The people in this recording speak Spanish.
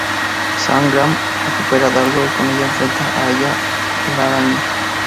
Sam Gamyi recupera Dardo y con ella enfrenta a Ella-Laraña.